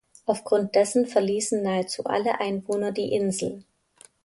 Aufgrund dessen verließen nahezu alle Einwohner die Insel.